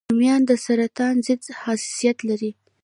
رومیان د سرطان ضد خاصیت لري